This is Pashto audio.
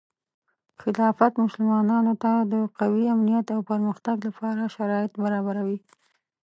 خلافت مسلمانانو ته د قوي امنیت او پرمختګ لپاره شرایط برابروي.